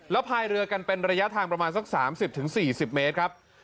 แล้วพายเรือกันเป็นระยะทางประมาณสัก๓๐๔๐เมตรครับ